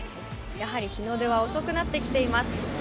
やはり日の出は遅くなってきています。